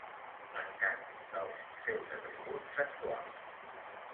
Mancat dels seus atributs sexuals.